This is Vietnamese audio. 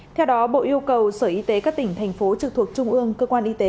theo đó bộ yêu cầu sở y tế các tỉnh thành phố trực thuộc trung ương cơ quan y tế